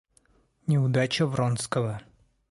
Неудача Вронского.